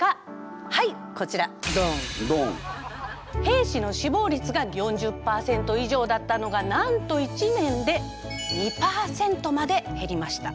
兵士の死亡率が４０％以上だったのがなんと１年で２％までへりました。